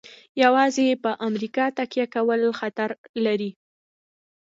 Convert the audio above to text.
یوازې په امریکا تکیه کول خطر لري.